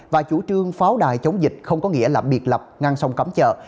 và chủ trương pháo đài chống dịch không có nghĩa là biệt lập ngăn sông cấm chợ